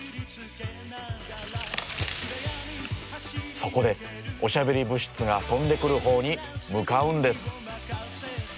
そこでおしゃべり物質が飛んでくるほうに向かうんです。